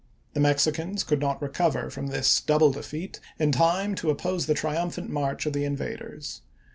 The Mexicans could not re cover from this double defeat in time to oppose the triumphant march of the invaders.